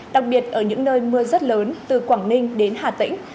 đặc biệt ở những nơi mưa rất lớn từ quảng ninh đến hà tĩnh